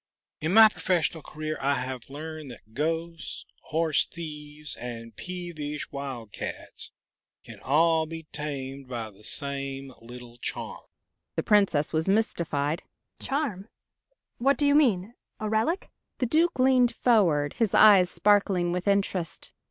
In my professional career I have learned that ghosts, horse thieves, and peevish wildcats can all be tamed by the same little charm." The Princess was mystified. "Charm? What do you mean a relic?" The Duke leaned forward, his eyes sparkling with interest.